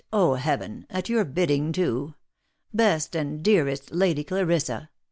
— Oh, heaven !— at your bidding too ! Best and dearest Lady Clarissa !